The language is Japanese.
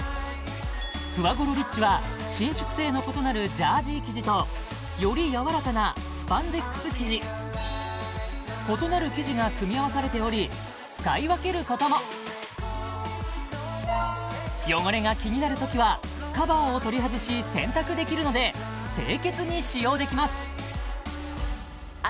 ふわごろリッチは伸縮性の異なるジャージー生地とより柔らかなスパンデックス生地異なる生地が組み合わされており使い分けることも汚れが気になるときはカバーを取り外し洗濯できるので清潔に使用できます